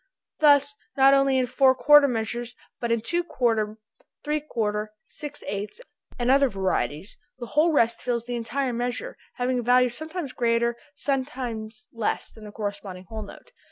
Thus, not only in four quarter measure, but in two quarter, three quarter, six eighth, and other varieties, the whole rest fills the entire measure, having a value sometimes greater, sometimes less than the corresponding whole note.